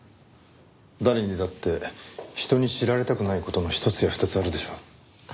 誰にだって人に知られたくない事の一つや二つあるでしょ。